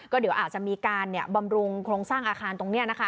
เดี๋ยวอาจจะมีการบำรุงโครงสร้างอาคารตรงนี้นะคะ